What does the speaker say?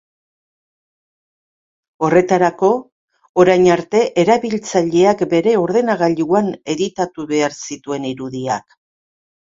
Horretarako, orain arte, erabiltzaileak bere ordenagailuan editatu behar zituen irudiak.